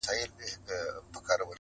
په یوه جرګه کي ناست وه مروروه٫